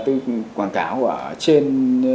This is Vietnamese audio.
từ quảng cáo ở trên